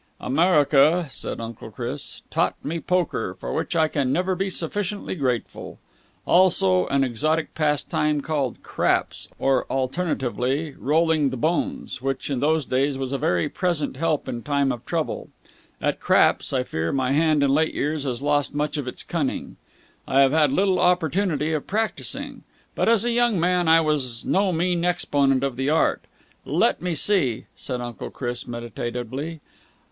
"America," said Uncle Chris, "taught me poker, for which I can never be sufficiently grateful. Also an exotic pastime styled Craps or, alternatively, 'rolling the bones' which in those days was a very present help in time of trouble. At Craps, I fear, my hand in late years has lost much of its cunning. I have had little opportunity of practising. But as a young man I was no mean exponent of the art. Let me see," said Uncle Chris meditatively.